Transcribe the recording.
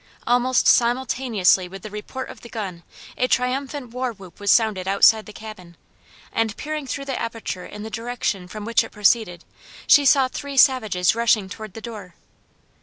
Almost simultaneously with the report of the gun, a triumphant war whoop was sounded outside the cabin, and peering through the aperture in the direction from which it proceeded she saw three savages rushing toward the door.